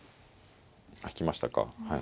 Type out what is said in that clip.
あっ引きましたか。